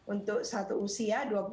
untuk satu usia